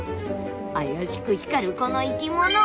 怪しく光るこの生き物